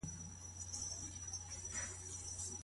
مېرمن د خاوند پر وړاندي کوم حقوق لري؟